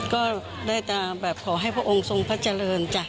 ก็ได้แต่แบบขอให้พระองค์ทรงพระเจริญจ้ะ